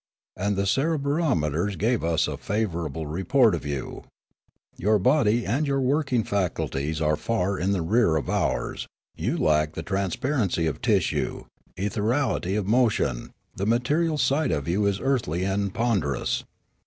And the cerebrometers gave us a favour able report of you. Your body and your working faculties are far in the rear of ours; you lack trans parency of tissue, ethereality of motion; the material side of you is earthy and ponderous.